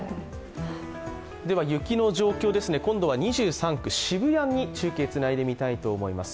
雪の状況、今度は２３区、渋谷に中継つないでみたいと思います。